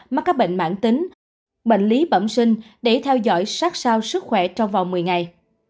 mắc các bệnh mãn tính bệnh lý bẩm sinh để theo dõi sát sao sức khỏe trong vòng một mươi ngày